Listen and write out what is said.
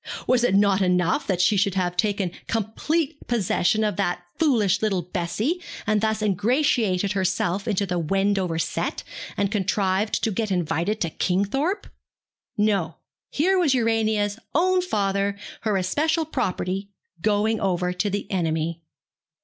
Was it not enough that she should have taken complete possession of that foolish little Bessie, and thus ingratiated herself into the Wendover set, and contrived to get invited to Kingthorpe? No. Here was Urania's own father, her especial property, going over to the enemy.